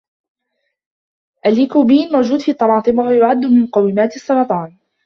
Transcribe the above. الليكوبين موجود في الطماطم وهو يعد من مقاومات السرطان.